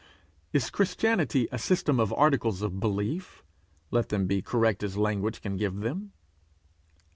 Is Christianity a system of articles of belief, let them be correct as language can give them?